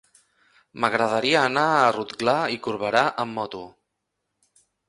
M'agradaria anar a Rotglà i Corberà amb moto.